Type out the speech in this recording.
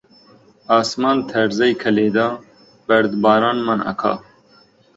ئاسمان تەرزەی کە لێدا، بەردەبارانمان ئەکا